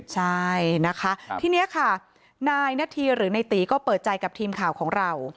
ใช่นะคะทีนี้ค่ะนายนาธีหรือในตีก็เปิดใจกับทีมข่าวของเรา